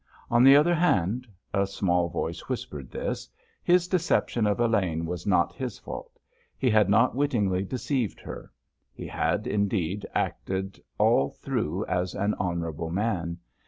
On the other hand—a small voice whispered this—his deception of Elaine was not his fault; he had not wittingly deceived her. He had, indeed, acted all through as an honourable man.